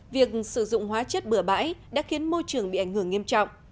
việc sử dụng hóa chất bừa bãi đã khiến môi trường bị ảnh hưởng nghiêm trọng